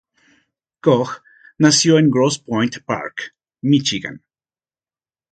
Koch nació en Grosse Pointe Park, Míchigan.